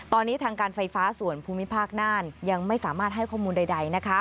ตอนนี้ทางการไฟฟ้าส่วนภูมิภาคน่านยังไม่สามารถให้ข้อมูลใด